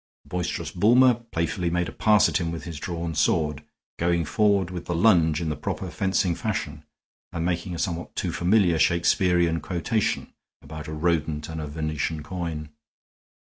The boisterous Bulmer playfully made a pass at him with his drawn sword, going forward with the lunge in the proper fencing fashion, and making a somewhat too familiar Shakespearean quotation about a rodent and a Venetian coin.